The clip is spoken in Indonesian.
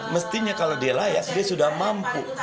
mestinya kalau dia layak dia sudah mampu